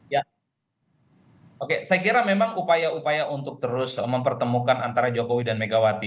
ya oke saya kira memang upaya upaya untuk terus mempertemukan antara jokowi dan megawati